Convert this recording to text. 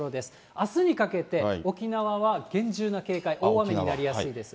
あすにかけて沖縄は厳重な警戒、大雨になりやすいです。